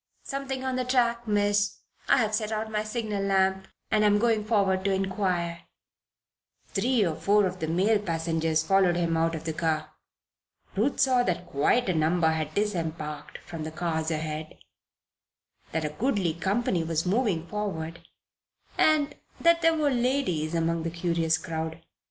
"Something on the track, Miss. I have set out my signal lamp and am going forward to inquire." Three or four of the male passengers followed him out of the car. Ruth saw that quite a number had disembarked from the cars ahead, that a goodly company was moving forward, and that there were ladies among the curious crowd.